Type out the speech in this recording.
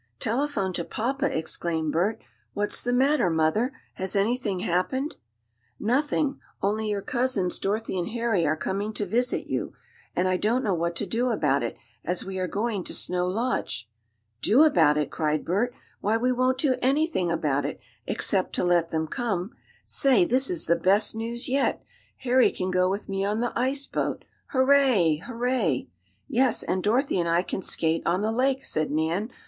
"Telephone to papa!" exclaimed Bert "What's the matter, mother? Has anything happened?" "Nothing, only your cousins, Dorothy and Harry, are coming to visit you. And I don't know what to do about it, as we are going to Snow Lodge!" "Do about it?" cried Bert. "Why, we won't do anything about it, except to let them come. Say, this is the best news yet! Harry can go with me on the ice boat. Hurray! Hurray!" "Yes, and Dorothy and I can skate on the lake!" said Nan.